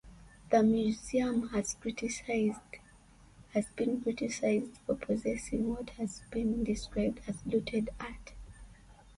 The museum has been criticized for possessing what has been described as "Looted art".